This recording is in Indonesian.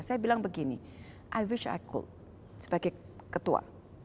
saya bilang begini i wish i could sebagai ketua